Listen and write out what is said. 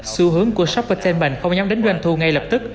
xu hướng của shophetamond không nhắm đến doanh thu ngay lập tức